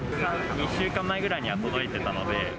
２週間ぐらい前には届いてたので。